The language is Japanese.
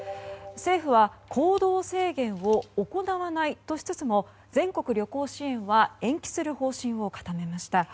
政府は行動制限を行わないとしつつも全国旅行支援は延期する方針を固めました。